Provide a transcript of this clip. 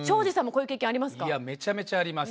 いやめちゃめちゃあります。